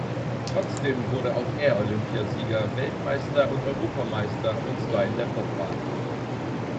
Trotzdem wurde auch er Olympiasieger, Weltmeister und Europameister, und zwar in der Bobbahn.